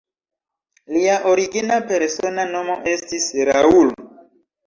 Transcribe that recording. Lia origina persona nomo estis "Raoul".